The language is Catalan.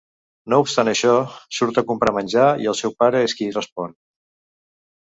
No obstant això, surt a comprar menjar i el seu pare és qui respon.